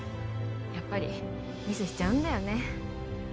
やっぱりミスしちゃうんだよね